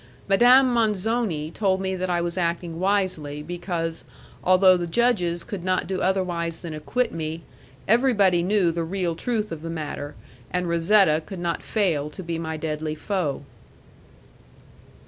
Madame Manzoni told me that I was acting wisely, because, although the judges could not do otherwise than acquit me, everybody knew the real truth of the matter, and Razetta could not fail to be my deadly foe.